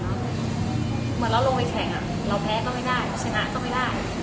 เหมือนเราลงไปแข่งเราแพ้ก็ไม่ได้ชนะก็ไม่ได้